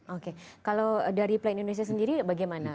oke kalau dari plan indonesia sendiri bagaimana